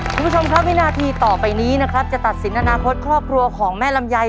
คุณผู้ชมครับวินาทีต่อไปนี้นะครับจะตัดสินอนาคตครอบครัวของแม่ลำไย